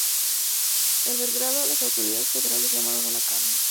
En Belgrado, las autoridades federales llamaron a la calma.